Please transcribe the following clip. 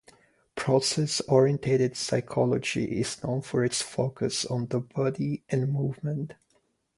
Process oriented psychology is known for its focus on the body and movement.